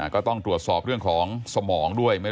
ก็ต้องตรวจสอบเรื่องของสมองด้วย